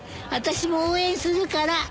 あたしも応援するから。